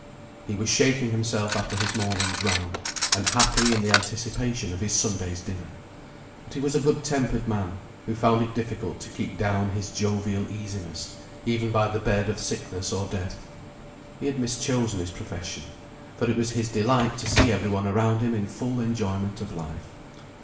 He was shaking himself after his morning's round, and happy in the anticipation of his Sunday's dinner; but he was a good tempered man, who found it difficult to keep down his jovial easiness even by the bed of sickness or death. He had mischosen his profession; for it was his delight to see every one around him in full enjoyment of life.